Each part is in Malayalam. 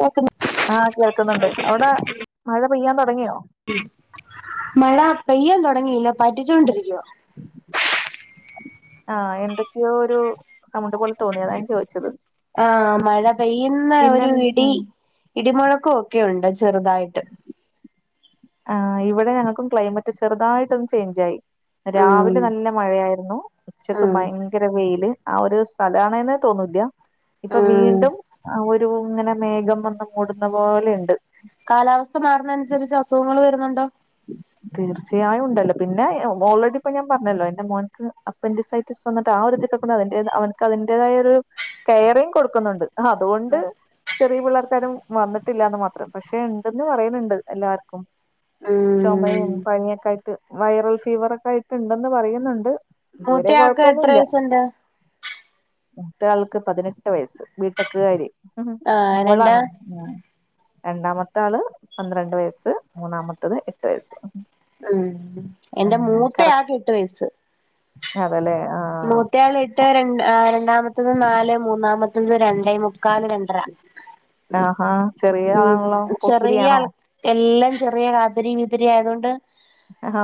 കേക്കുന്നു ആഹ കേൾക്കുന്നുണ്ട് അവിടെ മഴ പെയ്യാൻ തുടങ്ങിയോ പെയ്യൻ തുടങ്ങയില്ല പറ്റിച്ചോൊണ്ടിരിക്കുവ ആഹ എന്തൊക്കെയോ ഒരു സമുണ്ട് പോലെ തോന്നിയ ഞാൻ ചോദിച്ചത് ആഹ് മഴ പെയ്യുന്ന പിന്നെ ഒരു ഇടി ഉം ഇടിമുഴ ഒക്കെ ഉണ്ട് ചെറുതായിട്ട് ആ് ഇവിടെ ഞങ്ങൾക്കും ക്ലൈമറ്റ് ചെറുതായിട്ടൊന്നും ചേഞ്ച്ായി ഉം രാവിലെ നല്ല മഴയായിരുന്നു ഉച്ചക്ക് ഉം ഭയങ്കര വെയില് ആ ഒരു സ്ഥലമാണെന്ന് തോന്നൂല ഇപ്പൊ ഉം വീണ്ടും ഒരു ഒരു ഇങ്ങനെ മേഘം വന്ന് മൂടുന്ന പോലെയുണ്ട്. കാലാവസ്ഥ മാറുന്ന അനുസരിച്ച് അസുഖങ്ങൾ വരുന്നുണ്ടോ? തീർച്ചയായും ഉണ്ടല്ലോ പിന്നെ ഓൾറെഡി ഇപ്പൊ ഞാൻ പറഞ്ഞല്ലോ എന്റെ മോൻക്ക് അപ്പൻഡസൈറ്റിസ് വന്നിട്ട് ആ ഒരു ഇതി അതി അവനക്ക് അതിന്റേതായ ഒരു കെയറിങ്ങ് കൊടുക്കുന്നുണ്ട്. അ അതുകൊണ്ട് ചെറിയ പിള്ളേർക്കാരും വന്നിട്ടില്ലാന്ന് മാത്രം പക്ഷെ ഇണ്ടന്ന് പറയുന്നുണ്ട് എല്ലാവർക്കും. ഉം ചുമയും പനിയൊക്കെ ആയിട്ട് വൈറൽ ഫീവറൊക്കെ ആയിട്ട്ണ്ടെന്ന് പറയുന്നുണ്ട്. ഇതുവരെ മൂത്തയാക് കൊഴപ്പൊന്നുല്ല എത്രയസ്സ് ഇണ്ട്? മൂത്ത ആൾക്ക് പതിനെട്ട് വയസ്സ്. വീട്ടക് കാരി. ഹ് ഹ് ആഹ് രണ്ട് മോളാണ് രണ്ടാ ത്താൾ പന്ത്രണ്ട് വയസ്സ് മൂന്നാമ ത് എട്ട് വയസ്. മം എന്റെ മൂത്ത കറക് ആക് എട്ട് വയസ്സ്. ആ. അതല്ലേ മൂത്തയാൾ എട്ട് അ രണ്ടാ മൂത്തത് നാല്. മൂന്നാമ രണ്ടേ മുക്കാല് രണ്ടര ആഹാ ചെറിയ മം ആളാണല്ലോ ചെറിയ പോക്കിരിയാണോ ആൾ എല്ലം ചെറിയ കാത്തരി വത്തിരി ആയത്‌ കൊണ്ട് ആഹാ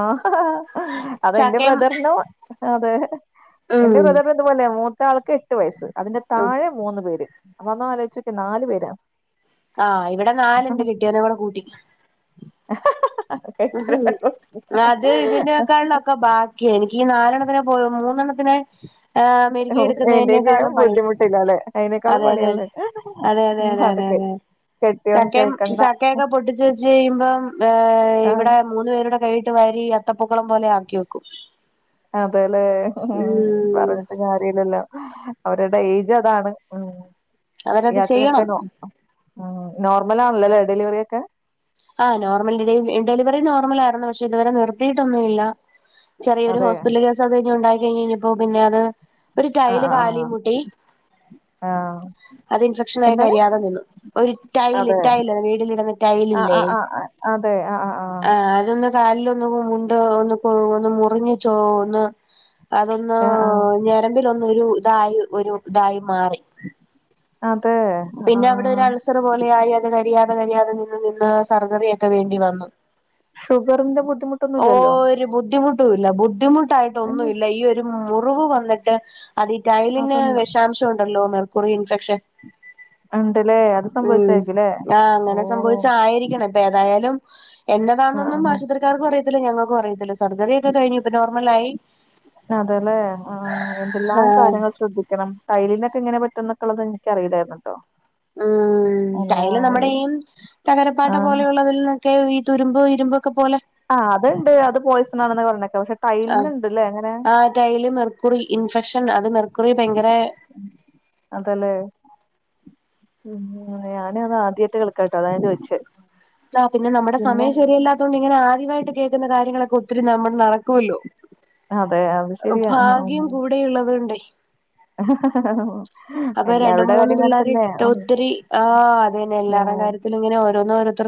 അതെന്റെ ചക്കയും ബ്രദറി അതെ. എന്റെ ഉം ബ്രദർനു ഇതുപോലെയാ മൂ ത്താൾക്ക് എട്ട് വയസ്. അതിന്റെ ആഹ് താഴെ മൂന്നു പേര്. അപ്പൊന്ന്ആലോച്ചോകി നാല് പേരാ. ആ ഇവിടെ നാലുണ്ട് കിട്ടിയന കൂടെ കൂട്ടി. എഹ ഹാ. അ കേട്ട് അത് ഇതിനേക്കാളിലോക്ക ബാക്കി എനിക്ക് ഈ നാലെണ്ണത്തിനെ പോ മൂന്നെണ്ണത്തിനെ ഹ മെരുക്കി മെയിൻറ്റെയിൻ ചെയ്യാൻ എടുക്കുന്നതിനേക്കാളും പണി. ബുദ്ധിമുട്ടില്ല അല്ലെ അതിനേക്കാളും അതെ തെതെ പണിയല്ലേ അതെ ഉം, തെത തെതെ അതൊക്കെ കെട്ടിയോൻ ചക്കയും കേൾക്കണ്ട ചക്കയൊക്കെ പൊട്ടിച്ച വെച്ച് കഴിയുമ്പം ഏ. ആ ഇവിടെ മൂന്ന് പേരുടെ കയ് വാരി അത്തപൂക്കളം പോലെ ആക്കി വെക്കും. അതലെ ഉം പറഞ്ഞിട്ട് കാര്യല്ലല്ലോ. അവരുടെ ഏജ് അതാണ് മ്. അവരത് ചെയ്യണം ഉം നോർമൽ ആണല്ലല്ലേ ഡെലിവറി ഒക്കെ ആ നോർമൽ ഡ ഡെലിവറി നോർമൽ ആായിരുന്നു പക്ഷെ ഇതുവരെ നിർത്തിയിട്ടൊന്നുംല്ല ചെറിയൊരു അതെ ഹോസിറ്റല്കേസ് അത്കഴിഞ്ഞ് ഉണ്ടായി അത്കഴിഞ്ഞഴഞ്ഞപ്പോ പിന്നെ അത് ഒരു ആ ടൈല് ആ കാലി മുട്ടി ആ ആഹ് അത് ഇൻഫെക്ഷൻ ആയി എന്താണ് കരിയാതെ നിന്നു ഒരു ടൈൽ അതെ ടൈൽ വീടിലിടന്ന് ആ ടൈലില്ലേ ആ് ആ അതെ ആ ആ ആ കാലിലൊന്ന് വൂണ്ട് ഒന്ന് ഒന്ന് മുറിഞ്ഞു ച്ചോന്ന് അതൊന്ന് ആ ഞരമ്പിലൊന്നുരു ഇതായി ഒരു ഇതായ മാറി ആ അതെ ആ പിന്നെഅവിടൊരു ആൾസർ പോലെയത് കരിയാ കരീയാതെ നിന്ന് നിന്ന് സർജറി ഓക്കെ വേണ്ടി വന്നു ഷുഗറിന്റെ ബുദ്ധിമുട്ടൊന്നുല്ലല്ലോ ട്ടുല ബുധിമു ട്ടായിട്ട ഒന്നുല്ല ഈ ഒരു മുറിവ് വന്നിട്ട് അത് ഈ ടയലിന് അതൊന്ന് വിഷാംശം ഉണ്ടല്ലോ മർ കുറി ഇൻഫെക്ഷൻ ഉണ്ടല്ലേ അത് ഉം സംഭവിച്ചായിരികൂല്ലേ ആഹ് ഓ അങ്ങനെ സംഭവിച്ച ആയിരിക്കണം ഇപ്പൊ ഏതായാലും ആ എന്നതാന്നൊന്നും ആശുത്രിക്കാർക്കു അിറി യത്തില്ല ഞങ്ങൾക്കു അിയതില്ല സർജറി ഒക്കെ കഴിഞ്ഞ ഇപ്പൊനോ മല്ലായി അതല്ലെ ആ എന്തെല്ലാം ആഹ് കാര്യങ്ങൾ ശ്രദ്ധിക്കണം ടൈൽലിനൊക്കെ ഇങ്ങനെ പറ്റ എന്നൊക്കെയള്ളത് എനിക്കറിയില്ലായിരുന്നു ട്ടോ ഉം ടൈല് നമ്മുടെ ഈ യും ആ തകരപ്പാട്ട പോലെയുള്ളതിൽ ഒക്കെ ഈ തുരുമ്പോ ഇരുമ്പോ ആ അത്ണ്ട് അത് പോയ്സൺ ആണെന്ന് പറഞ്ഞേക്കെ പക്ഷെ ആഹ് ടൈലിനുണ്ടല്ലേ എങ്ങനെ ആ ടൈല് മെർക്കുറി [unintelligible] അത് മെർ അതെലേ ഉം ഞാന അത് ആദ്യയിട്ട് കെൾക്കാട്ടോ അതാ ചോദിച്ച ആ പിന്നെ നമ്മടെ സമയം ശരിയല്ലാതൊണ്ട് ഇങ്ങനെ ആദ്യവായിട്ട് കേൾക്കുന്ന കാര്യങ്ങളൊക്കെ ഒ ത്തിരി നമ്മൾ നടക്കുല്ലോ അതെ അത് ശരിയാ ഉം. ഭാഗ്യം കൂടെയുള്ളത്കൊണ്ടേ അപ്പൊ രണ്ട് എല്ലാവരുടെ മൂന്ന് കാര്യം അങ്ങനെ പിള്ളേർ തന്നെ ഇട്ടിട്ട് ഉം ഒത്തിരി ആ അതന്നെ എല്ലാർടെയും കാര്യത്തിൽ ഇങ്ങനെ ഓരോന്നും ഓരോത്തർ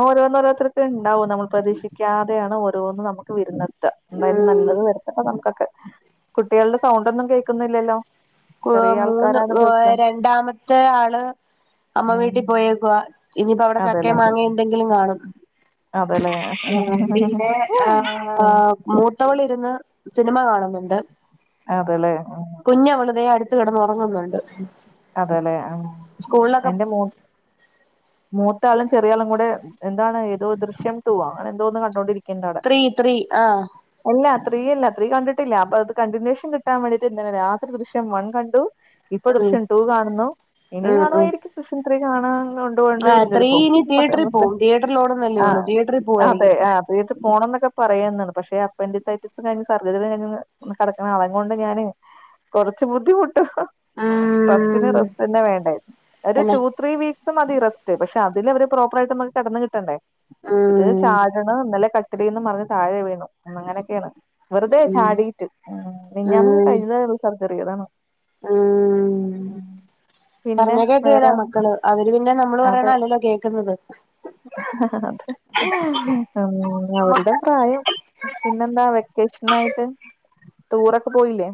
ഓരോന്ന് ഓരോത്തർക്ക്ണ്ടാവും നമ്മൾ പ്രതീക്ഷിക്കാതെയാണ് ഓ രോന്ന് നമുക്ക് വരുന്നത് ത് എന്തായാലും നല്ലത് വരുത്തട്ടെ നമുക്കൊക്കെ കുട്ടികളുടെ സൗണ്ടൊന്നും കേക്കുന്നില്ലല്ലോ ക്കു മൂന്ന് ഏ രണ്ടാമത്തെ ആള് അമ്മ ഉം വീട്ടിൽ പോയേക്കുവാ ഇനിയിപ്പ അവിടെ അതെല്ലേ ചക്കേം മാങ്ങേം എന്തെങ്കിലും കാണും അതെല്ലേ ഇവിടെയിണ്ട് ആ ഉം മൂത്തവളിരുന്ന് സിനിമ കാണുന്നുണ്ട് അതെല്ലേ ത്ത്കിടന്നുറങ്ങുന്നുണ്ട് അതെല്ലെ ആ എന്റെ മൂത്ത ആളും ചെറിയ ആളും കൂടെ എന്താണ് ഏതോ ദൃശ്യം റ്റു അങ്ങനെന്തോന്ന് കണ്ടോണ്ടിരി ത്രീ ത്രീ ആ ത്രീയല്ല ത്രീ കണ്ടിട്ടില്ല അപ്പൊ അത് കണ്ടിന്യേഷൻ കിട്ടാൻ വേണ്ടിട്ട് ഇന്നലെ രാത്രി ദൃശ്യം വൺ കണ്ടു ഇപ്പം ഉം ദൃശ്യം കാണുന്നു ഇനി ഉം ഉം കാണുവായിരിക്കും ദൃശ്യം ത്രീ കാണാൻ ഇന്ന് കൊണ്ട് കൊണ്ട് ആ തീരും ചിലപ്പോ ത്രീയിനി പറയാൻ തിയേറ്ററിൽ പറ്റില്ല പോവും തിയേറ്ററിൽ ഓടുന്നല്ലേ ആ ഉള്ളൂ തിയേറ്ററിൽ അതെ പോവായിരിക്കും ആ തിയാട്രി പോണംന്നൊക്കെ പറയാന്നാണ് പക്ഷെ അപ്പന്റിസൈറ്റിസും കഴിഞ്ഞ് സർജറി കഴിഞ്ഞ് ഒന്ന് കെടക്കണ ആളെ കൊണ്ട് ഞാന് കൊറച്ചു ബുദ്ധിമു ട്ട് റസ്റ്റിന് റെസ്റ്റ് തന്നെ വേണ്ടേ ഒരു പിന്നെ റ്റു ത്രീ വീക്സ് മതി റസ്റ്റ് പഷെ അതില് അവര് പ്രോപ്പറായിട്ട് ഒന്ന് കെടന്ന് കിട്ടണ്ടേ ഇത് ഉം ചാടണം ഇന്നലെ ക ത്രീന്ന് പറഞ്ഞ് താഴെ വീണു ഒന്ന് അങ്ങനയൊക്കെയാണ് വെറുതെ ഉം ചാടിട്ട് മിഞ്ഞാന്നങ്ങ് കഴിഞ്ഞതേയുള്ളു സർ തെറി അതാണ് ആ ഉം മു പിന്നെ പറഞ്ഞകേക്കെല്ല വേറെ മക്കള് അവര് പി പിന്നെ നമ്മള് അതെ പറയണല്ലല്ലോ കേക്കുന്നത് അതെ അവരുടെ പ്രായം പിന്നെന്താ വെക്കേഷനായിട്ട് ടൂറോക്കെ പോയില്ലേ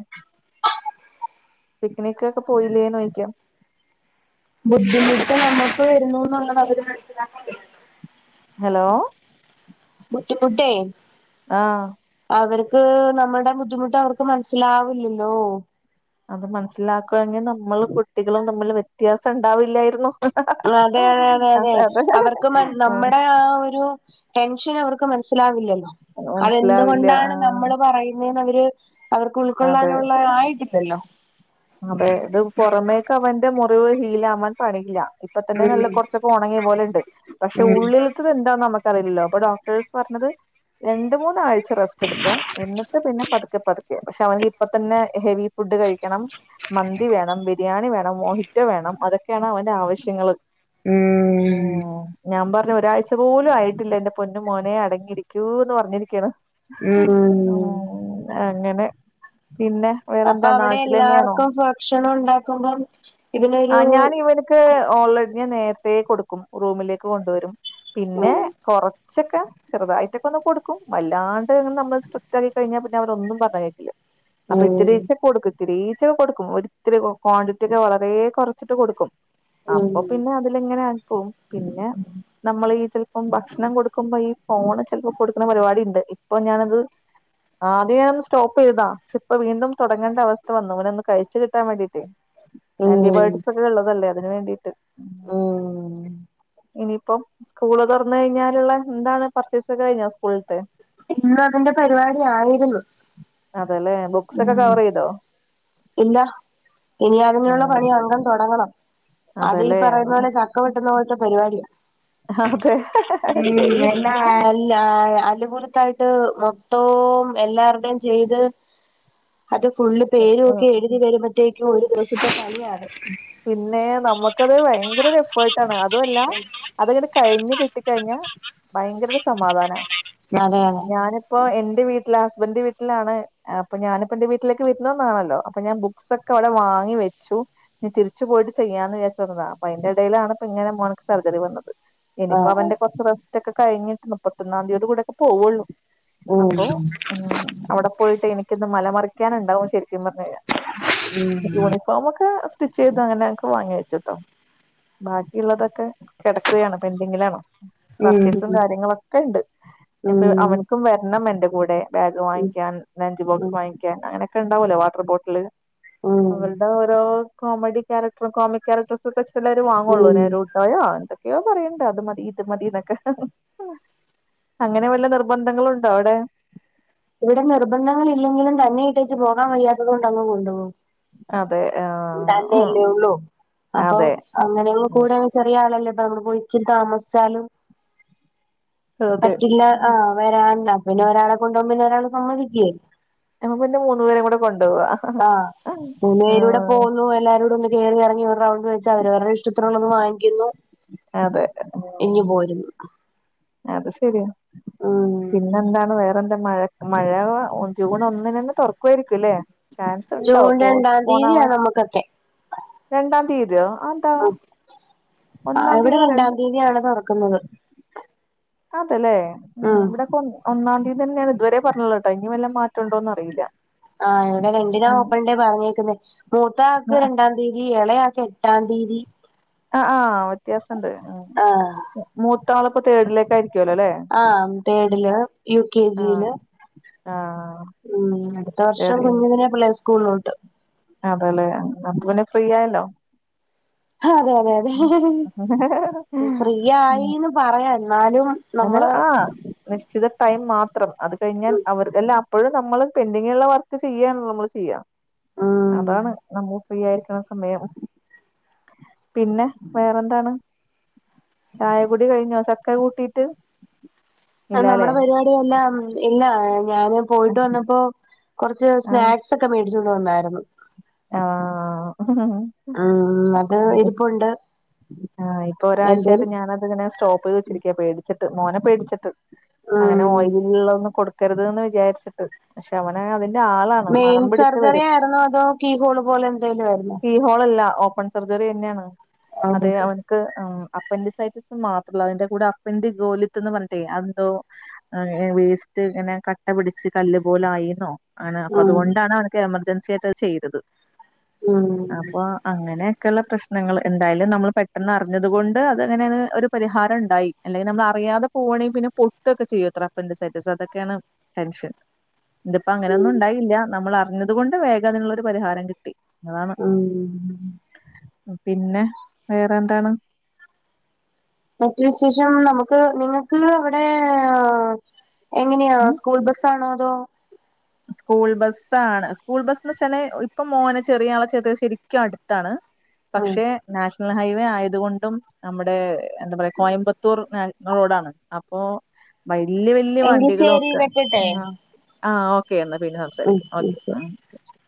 പിക്നിക്ക് ഒക്കെ പോയില്ലേ നോയിക്കാ ബുദ്ധിമുട്ട് നമ്മുക്ക് വരുന്നു എന്നുള്ളത് അവര് മനസിലാക്ക ഹലോ ബുദ്ധിമുട്ട് ആഹ് അവർക്ക് ക്ക് നമ്മളുടെ ബുദ്ധിമുട്ട് അവർക്ക് മനസ്സിലാവില്ലല്ലോ അത് മനസ്സിലാക്കെങ്കിൽ നമ്മൾ കുട്ടികളും തമ്മിൽ വ്യത്യാസം ഉണ്ടാവില്ലായിരുന്നു അതെ അതെ അതെ അതെ അവർക്ക് നമ്മുടെ ആ ഒരു ടെൻഷൻ അവർക്ക് ക്ക് [unintelligible] [unintelligible] സ്സിലാവില്ലല്ലോ മനസ്സിലാവില്ല അതെന്തുകൊണ്ടാണ് ആഹ് നമ്മള് പറയുന്ന അവര് അവർക്ക് അതെ ഉൾക്കൊള്ളാനുള്ള ആയിട്ടില്ലല്ലോ അതെ അത് പുറമേക്ക് അവന്റെ മു ഹീലാവാൻ പണിയില്ല ഇപ്പ തന്നെ നല്ല ഉം കുറച്ചൊക്കെ ഉണങ്ങിയ പോലെ ഉണ്ട് പക്ഷെ ഉം ഉള്ളിലത്തത് എന്താ നമുക്ക് അറിയില്ലോ അപ്പൊ ഡോക്ടേഴ്സ് പറഞ്ഞത് രണ്ട് മൂന്നാഴ്ച്ച റെസ്റ്റ് എടുക്ക എന്നിട്ട് പിന്നെ പതുക്കെ പതുക്കെ പക്ഷെ അവന് ഇപ്പ തന്നെ ഹെവി ഫുഡ് കഴിക്കണം മന്തി വേണം ബിരിയാണി വേണം മോഹിറ്റോ വേണം അതൊക്കെയാണ് അവന്റെ ആവശ്യങ്ങള്ൾ ഉ ഉം ഞാൻ പറ ഒരാഴ്ച പോലും ആയിട്ടില്ല എറെ പൊന്നും മോനെ അടങ്ങിയിരിക്കൂ എന്ന് പറഞ്ഞിരിക്കയാണ് ഉം അങ്ങനെ പിന്നെ വേറെന്താ നാട്ടിൽ തന്നെയാണോ എല്ലർക്കും ഭക്ഷണം ഉണ്ടാക്കുമ്പം ആ ഇതിനൊരു ഞാൻ ഇവനക്ക് ഓൾറെഡി ഞാൻ നേരത്തെേ കൊടുക്കും റൂമിലേക്ക് കൊണ്ടുവരും പിന്നെ ഉം കൊറച്ചൊക്കെ ചെറുതായിട്ടൊക്കെ ഒന്ന് കൊടുക്കും വല്ലാണ്ട്ങ്ങ് നമ്മള് സ്ട്രിക്റ്റ് ആക്കി കഴിഞ്ഞാൽ പിന്നെ അവരൊന്നും പറയില്ല അപ്പൊ ഉം ഇത്തിരീച്ചെ കൊടുക്കും ഒത്തിേരീച്ചൊക്കെ കൊടുക്കും ഒരിത്തിരി ക്വാണ്ടിറ്റി ഒക്കെ വളരെ കുറച്ചിട്ട് കൊടുക്കും ഉം അപ്പൊ പിന്നെ അതില എങ്ങനെയാ പോം പിന്നെ നമ്മൾ ഈ ചിലപ്പം ഭക്ഷണം കൊടുക്കുമ്പോ ഈ ഫോണ് ചിലപ്പോ കൊടുക്കുന്ന പരിപാടി ഉണ്ട് ഇപ്പൊ ഞാനത് ആദ്യം സ്റ്റോപ്പ് ചെയ്താ ഇപ്പ വീണ്ടും തുടങ്ങേണ്ട അവസ്ഥ വന്നക്ണൊന്ന് കഴിച്ചു കിട്ടാൻ വേണ്ടീട്ട് ആന്റിബയോട്ടിക്സ് ഒക്കെ ഉള്ളതല്ലേ അതിന് വേണ്ടിട്ട് മ്മ് ഇനിയിപ്പം സ്കൂള് തുറന്ന കഴിഞ്ഞാലുള്ള എന്താണ് പർച്ചേസ് ഒക്കെ കഴിഞ്ഞ സ്കൂളിലത്തെ ഇന്ന് അതിന്റെ പരിപാടി ആയിരുന്നു അല്ലെ ബുക്സ് ഒക്കെ ഉം കവർ ചെയ്തോ ഇല്ല ഇനി അതിനെയുള്ള ഉം പണി അംഗം തുടങ്ങണം അത് ഈ അതല്ലേ പറയുന്ന പോലെ ചക്ക വെട്ടുന്ന പോലത്തെ പരിപാടിയാ അതെ ഉ ശരിയാ എല്ല അ ത്തായിട്ട് മൊത്തവും എല്ലാവരുടെയും ചെയ്ത് അതെ ഫുള് പേര് ഉം എഴുതി വരുംപഴുത്തേ ഒരു ദിവസത്തെ കളിയാണ് പിന്നെ നമ്മക്ക് ഭയങ്കര എഫർട്ട് അതുമല്ല അതങ്ങനെ കഴിഞ് കിട്ടിക്കഴിഞ്ഞ ഭയങ്കര ഒരു സമാധാനമാണ് അതെ അതെ ഞാനിപ്പോ എന്റെ വീട്ടിൽ വീട്ടില ഹസ്ബൻഡിന്റെ വീട്ടിലാണ് അപ്പൊ ഞാനിപ്പ എന്റെ വീട്ടിലേക്ക് വിരുന്ന് വന്നതാണല്ലോ അപ്പൊ ഞാൻ ബുക്സ് ഒക്കെ അവിടെ വാങ്ങി വെച്ചു ഇനി തിരിച്ച് പോയിട്ട് ചെയ്യാന്ന് വിചാരിച്ചു വന്നതാ ത അപ്പൊ അതിന്റെ ഇടയിലാണ് ഇപ്പ ഇങ്ങനെ മോനിക്ക് സർജറി വന്നത് ഇനിയിപ്പൊ ആഹ് അവന്റെ കുറച്ച് ഇതക്കെ കഴിഞ്ഞിട്ട് മുപ്പത്തൊന്നാം തീയതി കൂടെ ഒക്കെ പോവയുള്ളൂ ഉം അപ്പോ അവിടെ പോയിട്ട് എനിക്കൊന്ന് മലമറി പിക്കാനണ്ടാവും ശരി സത്യം പറഞ്ഞു കഴിഞ്ഞ ഉം യൂണിഫോ ഒക്കെ ചെയ്ത് അങ്ങനെക്കെ വാങ്ങി വെച്ചിട്ടോ ബാക്കിയുള്ളതൊക്കെ കിടക്കുകയാണ് പെൻഡിങ്ങിലാണ് ഉം പർച്ചേസും കാര്യങ്ങളൊക്കെ ഉണ്ട് അപ്പൊ ഉം അവനക്കും വരണം എന്റെ കൂടെ ബാഗ് വാങ്ങിക്കാൻ ലഞ്ച് ബോക്സ് ഉം വാങ്ങിക്കാൻ അങ്ങനെ ഒക്കെണ്ടാവല്ലേ വാട്ടർ ബോട്ടില് ഉം അവരുടെ ഓരോ കോമഡി കാരക്ർ കോമിക് കാരക്ടർസ് ഒക്കെ എല്ലരും വാങ്ങള്ളൂ ഉം നേരൂട്ടായോ ക്കെയോ പറയണ്ടോ അത് മതി ഇത് മതിന്നൊക്കെ അങ്ങനെ വല്ല നിർബന്ധങ്ങളുണ്ടോ അവിടെ ഇവിടെ നിർബന്ധങ്ങൾ ഇല്ലെങ്കിലും തന്നെ ഇട്ടേച്ച് പോകാൻ വയ്യാത്തത് കൊണ്ട് അങ് കൊണ്ടു പോകും അതെ ആഹ് തന്നെയല്ലേ ഉള്ളൂ അപ്പൊ അതെ അങ്ങനെ കൂട ഉം ചെറിയ ആളല്ലേ നമ്മള് പോയി ഇച്ചി താമസിച്ചാലും അതെ പറ്റില്ല ആ വരണ്ട പിന്നെ ഒരാളെ കൊണ്ട് മ്മിന ഒരാള് [unintelligible] അപ്പ പിന്ന മൂന്നു പേര കൂടെ കൊണ്ട് ആ മൂന്ന് പേരൂടെ പോന്നു എല്ലാരൂട ഒന്ന് കേറി ഇറങ്ങി ഒരു റൗണ്ട് ന്ന് വെച്ചാ അവർടെ ഇഷ്ടത്തിനുള്ളത് വാങ്ങിക്കുന്നു അതെ ഇങ്ങ് പോരുന്നു അത് ശരിയാ ഉം പിന്നെന്താണ് വേറെ മഴ മഴ ഒ ജൂൺ ഒന്നിന് തന്നെ തുറക്കുമായിരിക്കുംല്ലേ? ജൂൺ രണ്ടാം തീയതിയാണ് നമ്മുക്കൊക്കെ രണ്ടാം തീയതിയോ? അതെന്താ ആ ആ ഒന്നാം ഇവിടെ തീയതി പറയണ് രണ്ടാം തീയതിയാണ് തുറക്കുന്നത്. ല്ലേ ഉം ഇവിടെക്കൊന്ന് ഒന്നാം തീയതി തന്നെയാണ് ഇതുവരെ പറഞ്ഞുള്ളത് ട്ടോ ഇനി വെല്ല മാറ്റണ്ടോന്ന് അറിയില്ല. ആഹ് ഇവിടെ രണ്ടിനാ ഓപ്പൺ ഡേ പറഞ്ഞേക്കുന്നെ. മൂത്ത ആക്ക് രണ്ടാം തീയതി ഏളയാ എട്ടാം തീയതി ആ ആ വ്യത്യാസ [unintelligible] മു മൂ ത്താളിപ്പോ തേടിലേക്കായിരി ആം തേടില് യു കെ ജി യില് ആഹ് ഉം അടുത്ത വർഷം കുഞ്ഞതിനെ പ്ലേ സ്കൂളിലോട്ട് അതേല്ലെ ന്നാ പിന്നെ ഫ്രീ ആയല്ലോ അതെ അതെ അതെ ഫ്രീ ഉം ആയിന്ന് പറയാ എന്നാലും അത് നമ്മള് ആ നിശ്ചിത ടൈം മാത്രം അത് കഴിഞ്ഞാൽ അവർ എല്ലാം അപ്പോഴും നമ്മള് പെൻഡിങ്ങുള്ള വർക്ക് ചെയ്യാന്നുള്ള മ്മള് ചെയ്യാ ഉം അതാണ് നമ്മ ഫ്രീ ആയിരിക്കണ സമയം പിന്നെ വേറെന്താണ് ചായകുടി കഴിഞ്ഞോ ചക്ക കൂട്ടീട്ട്? ആ നമ്മുടെ പരിപാടിയെല്ലാം ഇല്ലാ ഞാന് പോയിട്ട് വന്നപ്പോ കൊറച്ച് ആഹ് സ്നാക്സ് ഒക്കെ മേ ച്ചോണ്ട് വന്നായിരുന്നു ആഹ് ഉം അത് ഇരിപ്പുണ്ട് ആഹ് ഇപ്പോ എന്തേലും ഒരാഴ്ചായിട്ട് ഞാനതിങ്ങനെ സ്ടോപ്പ് ചെയ്തവേച്ചിരിക്കയാ പേടിച്ചി മോനെ പേടിച്ചിട്ട് ഉം അങ്ങനെ ഓയിലുള്ളത് ഒന്ന് കൊടു കരുതുന്ന് വിചാരിച്ചിട്ട് പക്ഷെ അവനാ അതി മെയിൻ സർജറി ആയിരുന്നോ അതോ കീ ഹോളോ പോലെനിക്കോ [unintelligible] കീഹോളല്ല ഓപ്- ഓപ്പൺ സർജറിയന്ന്യാണ് അതെ ഉം അവൻക്ക് മ്- അപ്പന്റി സൈറ്റിസം മാത്രൊല്ല അയിന്റെ കൂടെ അപ്പന്റി സോലിത്തെന്ന് പറഞ്ഞിട്ടേ അഎന്തോ വേസ്റ്റ ഇങ്ങനെ കട്ടാ പിടിച്ചു കല്ല് പോലെ അയി എന്നോ ആണ് അപ്പൊ അതുകൊണ്ടാണ് അനക്ക് എമർ- ൻസിയാട്ടാ [unintelligible] ആ ചെയ്തത് ഉം അപ്പൊ അങ്ങനെ ഒക്കെള്ളെ പ്രശ്നങ്ങൾ എന്തായാലും നമ്മൾ പെട്ടെന്ന് അറിഞ്ഞത കൊണ്ട് അത്ങ്ങനെ ഒരു പരിഹാരം ഉണ്ടായി അല്ലെങ്കിൽ നമ്മൾ അറിയാതെ പോകണെങ്ക പിന്നെ പൊട്ടൊക്കെ ചെയ്യോ ത്രപ്പന്റെ സെറ്റ അതൊക്കെയാണ് ടെൻഷൻ ഇതിപ്പൊ അങ്ങനൊന്നും ഉണ്ടായില്ല നമ്മൾ അറി- അറിഞ്ഞതുകൊണ്ട് വേഗം അതിനുള്ളൊരു പരിഹാരം കിട്ടി അതാണ് ആഹ പിന്നെ വേറെ എന്താണ് മറ്റേ വിശേഷം നമുക്ക് ഇങ്ങക്ക് അവിടേ എങ്ങനെയാ ഉം സ്കൂൾ ബസ്സാണോ നപ്പോ [unintelligible] സ്കൂൾ ബസ്സാണ് സ്കൂൾ ബസ്സെന്ന് വെച്ചാല് ഇപ്പൊ മോനെ ചെറിയ ആളെ ചേർത് ശരിക്കും അടുത്താണ് ഉം പക്ഷെ നാഷണൽ ഹൈവേ അങ്ങനെ ആയതുകൊണ്ടും നമ്മടെ എന്താ പറയാ കോയമ്പത്തൂർ മാ- റോഡാണ് അപ്പൊ വല്യ വല്യ എങ്കി ശരി വണ്ടികളൊക്കെ വെക്കട്ടെ ങ ആ ഓെ ഒക്കെന്ന് പിന്നെ ഉം സംസാരിക്കാം ഓക്കെ ഉം ആ ക്കെ